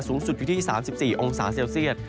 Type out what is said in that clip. สูงสุดอยู่ที่๓๔องศาเซลเซียต